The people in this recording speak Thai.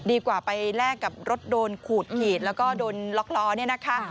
ดีกว่าไปแลกกับรถโดนขูดขีดแล้วก็โดนล็อกล้อเนี่ยนะคะ